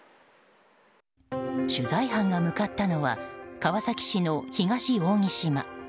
取材班が向かったのは川崎市の東扇島。